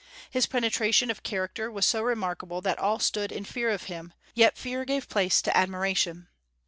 His penetration of character was so remarkable that all stood in fear of him; yet fear gave place to admiration.